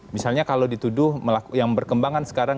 misalnya kalau dituduh yang berkembangkan sekarang